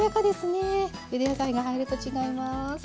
ゆで野菜が入ると違います。